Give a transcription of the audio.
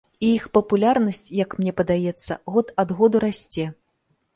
І іх папулярнасць, як мне падаецца, год ад году расце.